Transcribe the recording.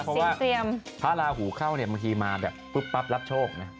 เพราะว่าพระราหูเข้าเนี่ยบางทีมาแบบปุ๊บปั๊บรับโชคนะ